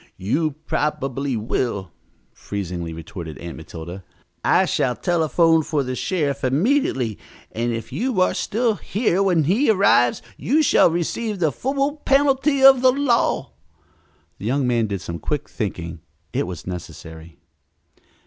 "You probably will," freezingly retorted Aunt Matilda. "I shall telephone for the sheriff immediately, and if you are still here when he arrives you shall receive the full penalty of the law." The young man did some quick thinking. It was necessary.